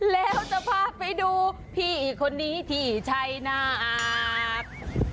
แล้วจะพาไปดูพี่คนนี้ที่ชัยนาธ